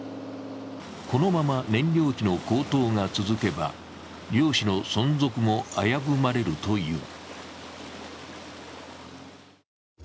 このまま燃料費の高騰が続けば、漁師の存続も危ぶまれるという。